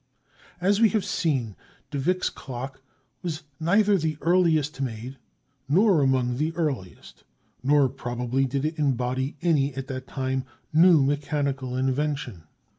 As we have seen, de Vick's clock was neither the earliest made, nor among the earliest; nor, probably, did it embody any at that time new mechanical invention.